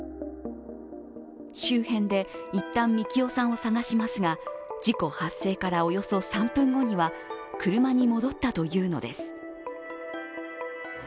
周辺で一旦、樹生さんを捜しますが事故発生からおよそ３分後には車に戻ったというのです。